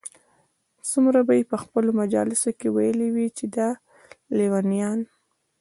څومره به ئې په خپلو مجالسو كي ويلي وي چې دا ليونيان